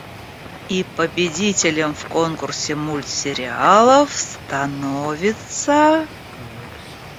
И победителем в конкурсе мультсериалов становится…